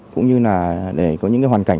cũng như là để có những cái hoàn cảnh